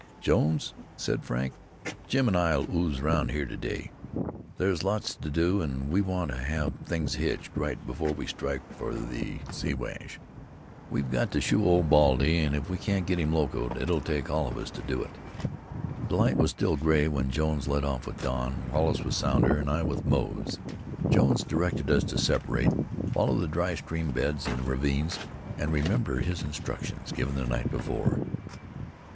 "Jones," said Frank, "Jim an' I'll ooze round here to day. There's lots to do, an' we want to have things hitched right before we strike for the Siwash. We've got to shoe Old Baldy, an' if we can't get him locoed, it'll take all of us to do it." The light was still gray when Jones led off with Don, Wallace with Sounder and I with Moze. Jones directed us to separate, follow the dry stream beds in the ravines, and remember his instructions given the night before.